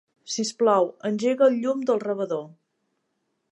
Sisplau, engega el llum del rebedor.